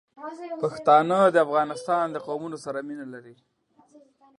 پښتانه د افغانستان د قومونو سره مینه لري.